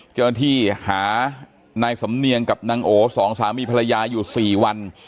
เจ้าหน้าที่หานายสำเนียงกับนางโอสองสามีภรรยาอยู่๔วัน